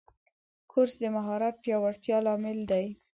کورس د مهارت پیاوړتیا لامل دی.